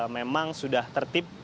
memang sudah tertib